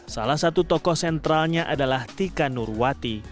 salah satu tokoh sentralnya adalah tika nurwati